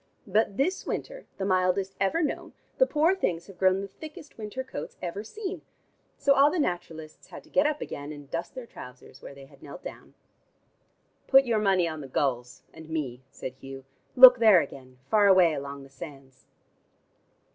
But this winter, the mildest ever known, the poor things have grown the thickest winter coats ever seen. So all the naturalists had to get up again, and dust their trousers where they had knelt down." "Put your money on the gulls and me," said Hugh. "Look there again, far away along the sands."